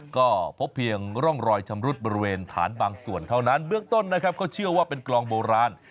ก็พบเพียงร่องรอยชำรุดบริเวณฐานบางส่วนเท่านั้นเบื้องต้นนะครับเขาเชื่อว่าเป็นกลองโบราณ